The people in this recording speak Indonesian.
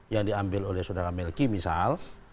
yang diambil oleh saudara melki misal